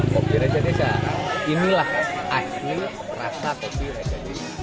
kopi raja desa inilah asli rasa kopi raja ini